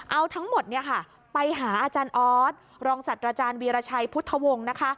เอาทั้งหมดไปหาอาจารย์ออสรองศัตว์อาจารย์วีรชัยพุทธวงศ์นะคะ